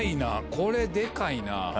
これでかいな。